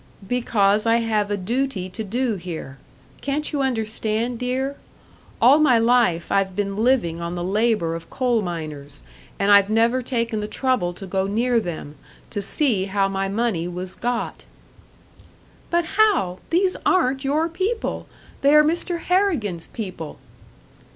"Because I have a duty to do here. Can't you understand, dear? All my life, I've been living on the labour of coal miners, and I've never taken the trouble to go near them, to see how my money was got!" "But, Hal! These aren't your people! They are Mr. Harrigan's people!"